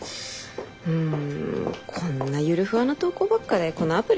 うんこんなゆるふわな投稿ばっかでこのアプリ